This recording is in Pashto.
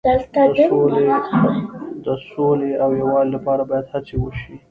د سولې او یووالي لپاره باید هڅې وشي.